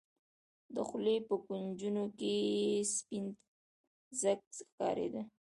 د خولې په کونجونو کښې يې سپين ځګ ښکارېده.